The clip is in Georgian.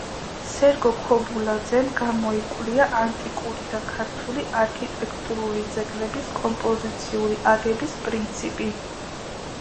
სერგო ქობულაძემ გამოიკვლია ანტიკური და ქართული არქიტექტურული ძეგლების კომპოზიციური აგების პრინციპი.